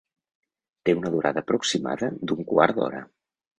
Té una durada aproximada d’un quart d’hora.